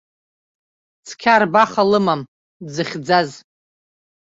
Цқьа арбаха лымам дзыхьӡаз.